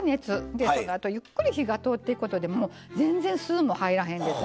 でこのあとゆっくり火が通っていくことでもう全然すも入らへんですしね